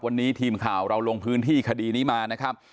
วันนี้ทีมข่าวเราลงพื้นที่คดีนี้มานะครับ